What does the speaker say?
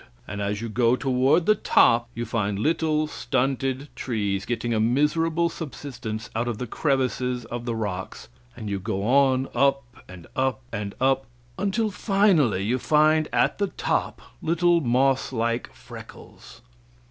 And as you go toward the top, you find little, stunted trees getting a miserable subsistence out of the crevices of the rocks, and you go on up and up and up, until finally you find at the top little moss like freckles.